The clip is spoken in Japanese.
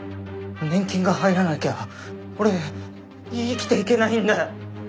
年金が入らなきゃ俺生きていけないんだよ！